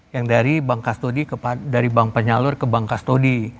yang dari bank penyalur ke bank kastodi